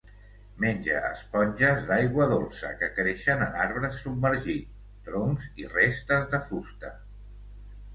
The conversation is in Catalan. Menja esponges d'aigua dolça que creixen en arbres submergits, troncs i restes de fusta.